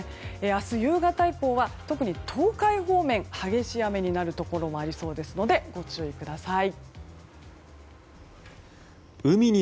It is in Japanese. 明日夕方以降は特に東海方面、激しい雨になるところもありそうですのでご注意ください。